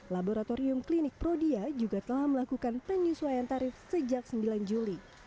laboratorium klinik prodia juga telah melakukan penyesuaian tarif sejak sembilan juli